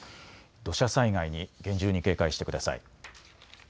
土砂災害に厳重に警戒してください。